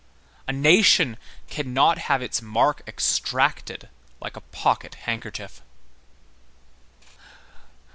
A nation cannot have its mark extracted like a pocket handkerchief.